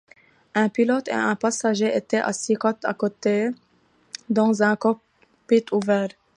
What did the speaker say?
Un pilote et un passager étaient assis côte-à-côté dans un cockpit ouvert.